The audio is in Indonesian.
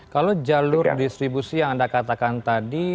kalau jalur distribusi yang anda katakan tadi